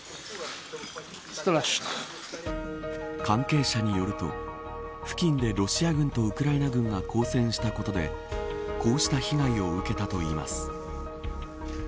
関係者によると付近でロシア軍とウクライナ軍が交戦したことでこうした被害を受けたといいます。